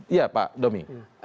iya pak domi